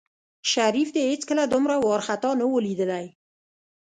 شريف دى هېڅکله دومره وارخطا نه و ليدلى.